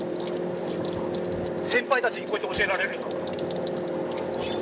先輩たちにこうやって教えられるんだよ。